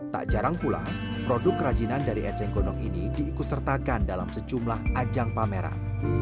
tak jarang pula produk kerajinan dari eceng gondok ini diikusertakan dalam secumlah ajang pameran